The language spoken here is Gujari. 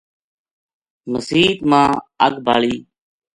مسیت ما اَگ بالی